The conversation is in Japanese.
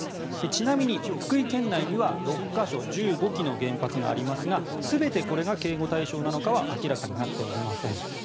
ちなみに福井県内には６か所１５基の原発がありますが全てこれが警護対象なのかは明らかになっていません。